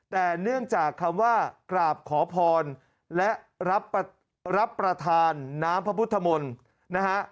แต่เนื่องจากคำว่ากราบขอพรและรับประทานน้ำพระพุทธมนตร์นะฮะ